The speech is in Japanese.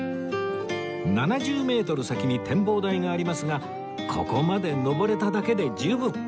７０メートル先に展望台がありますがここまで登れただけで十分